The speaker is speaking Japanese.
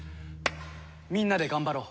みんなで頑張ろう！